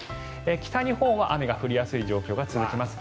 北日本は雨が降りやすい状況が続きます。